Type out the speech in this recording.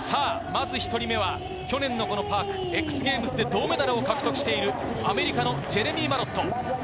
１人目は去年のパーク、ＸＧａｍｅｓで銅メダルを獲得しているアメリカのジェレミー・マロット。